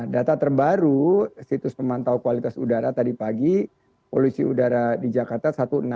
data terbaru situs pemantau kualitas udara tadi pagi polusi udara di jakarta satu enam